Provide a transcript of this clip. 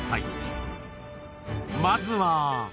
［まずは］